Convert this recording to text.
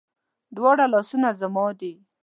دواړه لاسونه زما دي